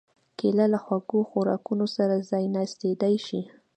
کېله له خوږو خوراکونو سره ځایناستېدای شي.